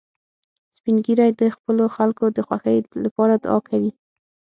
سپین ږیری د خپلو خلکو د خوښۍ لپاره دعا کوي